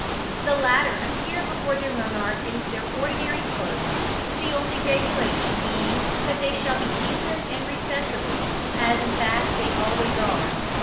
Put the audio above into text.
The latter appear before their monarch in their ordinary clothes, the only regulation being that they shall be decent and respectable, as in fact they always are.